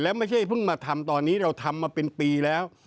แล้วไม่ใช่เพิ่งมาทำตอนนี้เราทำมาเป็นปีแล้ว